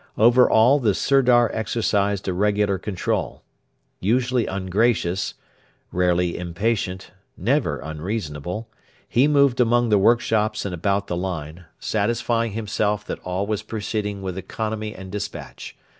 Over all the Sirdar exercised a regular control. Usually ungracious, rarely impatient, never unreasonable, he moved among the workshops and about the line, satisfying himself that all was proceeding with economy and despatch.